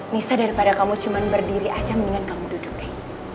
nisa daripada kamu cuman berdiri aja mendingan kamu duduk deh